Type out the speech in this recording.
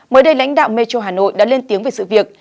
mới đây lãnh đạo metro hà nội đã lên tiếng về sự việc